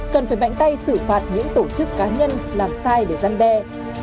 cần phải mạnh tay xử phạt những tổ chức cá nhân làm sai để giăn đe